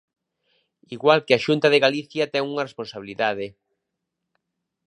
Igual que a Xunta de Galicia ten unha responsabilidade.